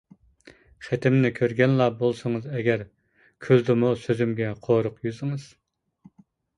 خېتىمنى كۆرگەنلا بولسىڭىز ئەگەر، كۈلدىمۇ سۆزۈمگە قورۇق يۈزىڭىز.